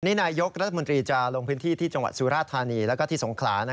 นี่นายยกรัฐมนตรีจะลงพื้นที่ที่จังหวัดสุราธานีแล้วก็ที่สงขลา